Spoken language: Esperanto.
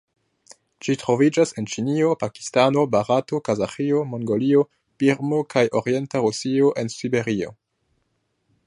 Ĝi troviĝas en Ĉinio, Pakistano, Barato, Kazaĥio, Mongolio, Birmo kaj orienta Rusio en Siberio.